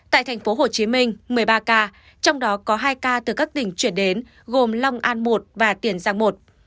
tại thành phố hồ chí minh một mươi ba ca trong đó có hai ca từ các tỉnh chuyển đến gồm long an một và tiền giang một